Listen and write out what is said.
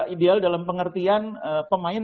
ideal dalam pengertian pemain